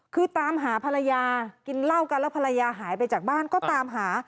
คือตามหาภรรยากินเหล้ากันแล้วภรรยาหายไปจากบ้านก็ตามหา